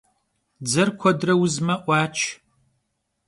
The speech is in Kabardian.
Dzer kuedre vuzme — 'Uaç.